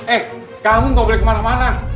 eh kamu gak boleh kemana mana